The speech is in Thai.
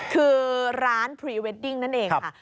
คือร้านพรีเวดดิ้งนั่นเองค่ะ